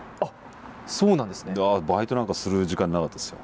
バイトなんかする時間なかったですよ。